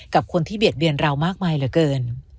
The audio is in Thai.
กับคนที่เบียดเบียนเรามากมายเหลือเกิน